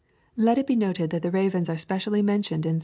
']— Let it be noted that the ravens are specially men tioned in Psal.